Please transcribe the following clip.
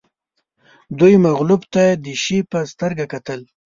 دوی مغلوب ته د شي په سترګه کتل